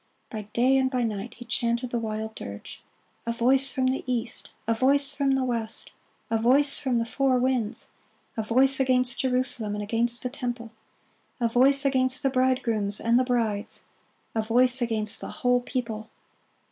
By day and by night he chanted the wild dirge, "A voice from the east! a voice from the west! a voice from the four winds! a voice against Jerusalem and against the temple! a voice against the bridegrooms and the brides! a voice against the whole people!"